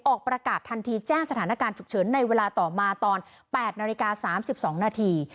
ออกประกาศทันทีแจ้งสถานการณ์ฉุกเฉินในเวลาต่อมาตอน๘นาฬิกา๓๒นาที